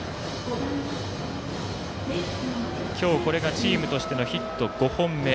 今日はチームとしてのヒット５本目。